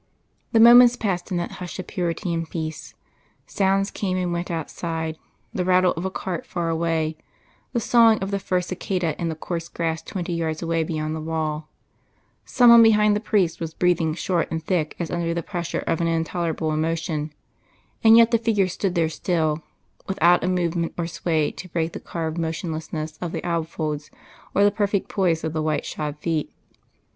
The moments passed in that hush of purity and peace; sounds came and went outside, the rattle of a cart far away, the sawing of the first cicada in the coarse grass twenty yards away beyond the wall; some one behind the priest was breathing short and thick as under the pressure of an intolerable emotion, and yet the figure stood there still, without a movement or sway to break the carved motionlessness of the alb folds or the perfect poise of the white shod feet.